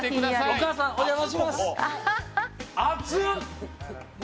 お母さんお邪魔します。